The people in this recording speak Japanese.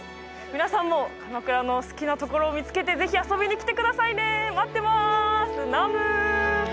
皆さんも鎌倉の好きなところを見つけてぜひ遊びに来てくださいね待ってます